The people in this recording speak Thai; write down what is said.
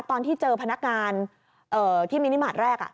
ตอนที่เจอพนักงานที่มินิมาตรแรก